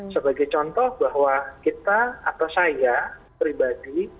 sebagai contoh bahwa kita atau saya pribadi